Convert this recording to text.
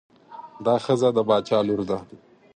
دا ښځه د باچا لور ده.